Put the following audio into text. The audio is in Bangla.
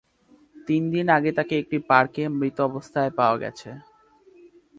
তিনদিন আগে তাকে একটি পার্কে মৃত অবস্থায় পাওয়া গেছে।